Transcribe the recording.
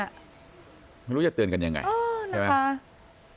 ไม่รู้จะเตือนกันยังไงใช่ไหม